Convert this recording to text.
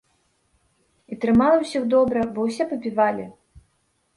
І трымала ўсіх добра, бо ўсе папівалі.